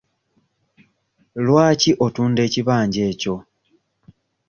Lwaki otunda ekibanja ekyo?